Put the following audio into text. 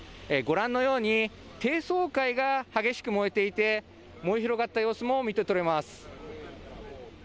ご覧のように低層階が激しく燃えていて燃え広がった様子も見て取れます。